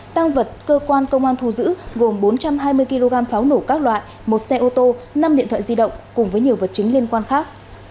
tăng vật cơ quan công an thu giữ gồm bốn trăm hai mươi kg pháo nổ các loại một xe ô tô năm điện thoại di động cùng với nhiều vật chứng liên quan khác